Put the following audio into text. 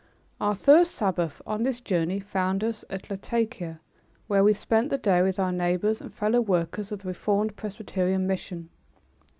Our first Sabbath, on this journey, found us at Latakia, where we spent the day with our neighbors and fellow workers of the Reformed Presbyterian mission.